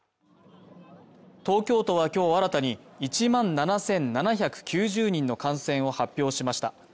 東京都は今日新たに１万７７９０人の感染を発表しました。